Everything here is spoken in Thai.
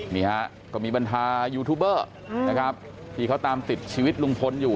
นี่ฮะก็มีบรรทายูทูบเบอร์นะครับที่เขาตามติดชีวิตลุงพลอยู่